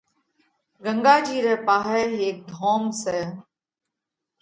“ڳنڳا جِي رئہ پاهئہ هيڪ ڌوم سئہ